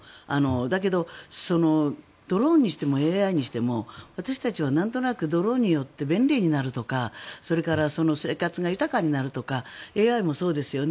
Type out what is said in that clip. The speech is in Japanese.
だけど、ドローンにしてもＡＩにしても私たちはなんとなくドローンによって便利になるとかそれから生活が豊かになるとかＡＩもそうですよね。